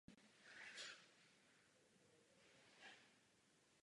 Z tohoto důvodu je to vynikající úspěch a vynikající kompromis.